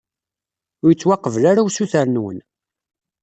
Ur yettwaqbel ara usuter-nwen.